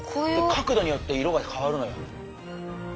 角度によって色が変わるのよ。